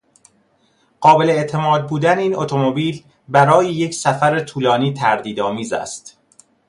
قابل اعتماد بودن این اتومبیل برای یک سفر طولانی تردیدآمیز است.